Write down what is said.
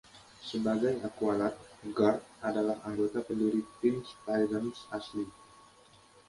Sebagai Aqualad, Garth adalah anggota pendiri Teen Titans asli.